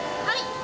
はい。